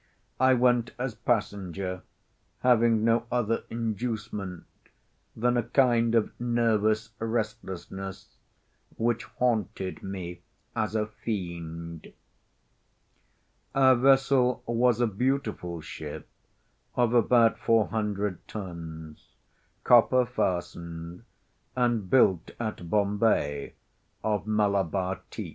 I went as passenger—having no other inducement than a kind of nervous restlessness which haunted me as a fiend. Our vessel was a beautiful ship of about four hundred tons, copper fastened, and built at Bombay of Malabar teak.